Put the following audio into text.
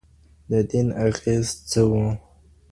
د دين اغېز څه و؟